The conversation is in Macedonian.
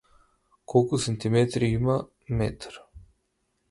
Колку центиметри има во еден метар?